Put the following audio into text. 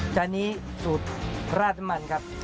จานนี้สูตรราดน้ำมันครับ